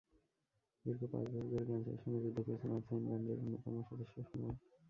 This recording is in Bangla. দীর্ঘ পাঁচ বছর ধরে ক্যানসারের সঙ্গে যুদ্ধ করছেন অর্থহীন ব্যান্ডের অন্যতম সদস্য সুমন।